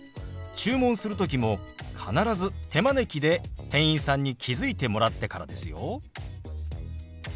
注文する時も必ず手招きで店員さんに気付いてもらってからですよ。